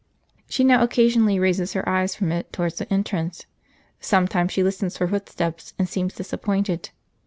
She now occasionally raises her eyes from it towards the entrance ; sometimes she listens for footsteps, and seems disap pointed.